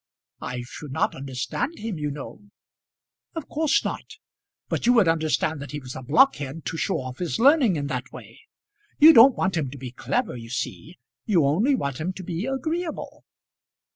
"I should not understand him, you know." "Of course not; but you would understand that he was a blockhead to show off his learning in that way. You don't want him to be clever, you see; you only want him to be agreeable."